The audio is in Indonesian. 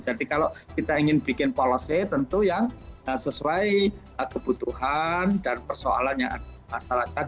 jadi kalau kita ingin bikin polosnya tentu yang sesuai kebutuhan dan persoalannya masyarakat